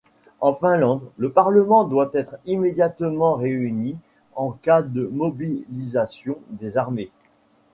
En Finlande, le Parlement doit être immédiatement réuni en cas de mobilisation des armées.